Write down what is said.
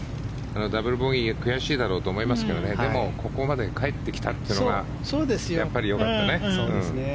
ダブルボギーが悔しいだろうと思いますけどねでもここまで帰ってきたというのがやっぱりよかったね。